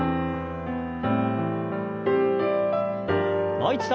もう一度。